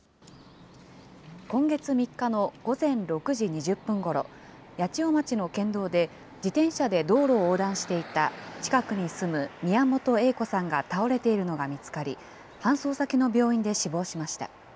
今月３日の午前６時２０分ごろ、八千代町の県道で、自転車で道路を横断していた近くに住む宮本栄子さんが倒れているのが見つかり、搬送先の病院で死亡しました。